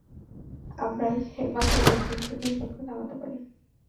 আমরাই একমাত্র ব্যক্তি এই বিপদকে থামাতে পারি।